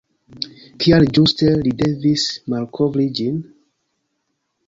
Kial ĝuste li devis malkovri ĝin?